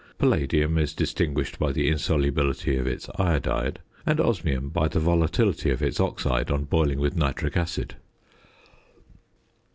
Palladium is distinguished by the insolubility of its iodide; and Osmium by the volatility of its oxide on boiling with nitric acid.